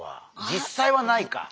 実際はないか。